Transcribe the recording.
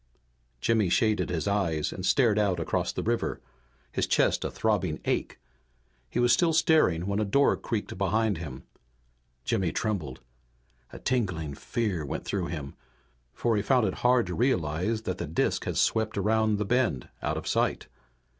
Jimmy shaded his eyes and stared out across the river, his chest a throbbing ache. He was still staring when a door creaked behind him. Jimmy trembled. A tingling fear went through him, for he found it hard to realize that the disk had swept around the bend out of sight.